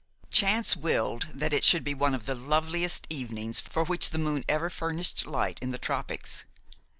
Chance willed that it should be one of the loveliest evenings for which the moon ever furnished light in the tropics.